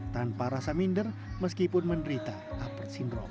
tanpa rasa minder meskipun menderita apert sindrom